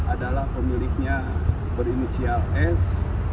adalah pemiliknya berinisial s